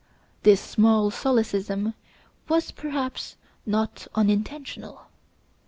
This small solecism was perhaps not unintentional.